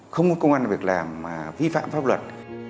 không có công an việc làm mà vi phạm pháp luật